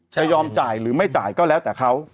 จะยอมจ่ายหรือไม่จ่ายก็แล้วแต่เขา